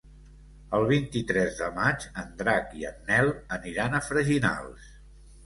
El vint-i-tres de maig en Drac i en Nel aniran a Freginals.